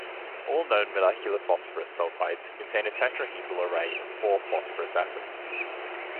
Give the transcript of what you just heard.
All known molecular phosphorus sulfides contain a tetrahedral array of four phosphorus atoms.